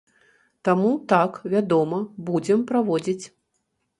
Таму, так, вядома, будзем праводзіць.